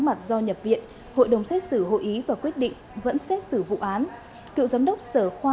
mặt do nhập viện hội đồng xét xử hội ý và quyết định vẫn xét xử vụ án cựu giám đốc sở khoa